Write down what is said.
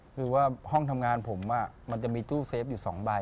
คือว่าห้องทำงานผมมันจะมีตู้เซฟอยู่๒ใบ